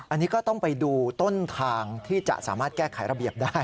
อันนี้ก็ต้องไปดูต้นทางที่จะสามารถแก้ไขระเบียบได้